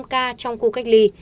tám mươi năm ca trong khu cách ly